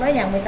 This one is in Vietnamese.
dây chiềng thì